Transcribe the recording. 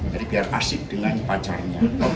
jadi biar asik dengan pacarnya